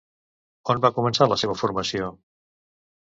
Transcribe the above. On va començar la seva formació?